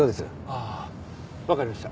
ああわかりました。